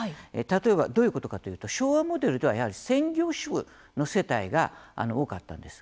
例えば、どういうことかというと昭和モデルではやはり、専業主婦の世帯が多かったんです。